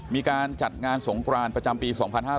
มีการจัดงานสงกรานประจำปี๒๕๕๙